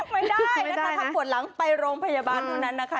ไม่ได้นะคะทำปวดหลังไปโรงพยาบาลเท่านั้นนะคะ